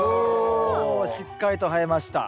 しっかりと生えました。